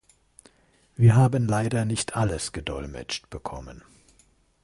Wir haben leider nicht alles gedolmetscht bekommen.